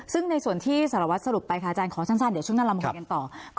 ซึ่งในส่วนที่สารวัตรสรุปไปค่ะอาจารย์ขอสั้นเดี๋ยวช่วงหน้าลำคุยกันต่อ